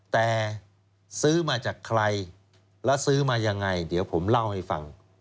แต่ซื้อมาจากใครแล้วซื้อมายังไงเดี๋ยวผมเล่าให้ฟัง